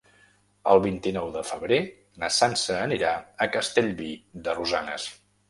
El vint-i-nou de febrer na Sança anirà a Castellví de Rosanes.